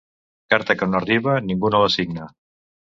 Carta que no arriba, ningú no la signa.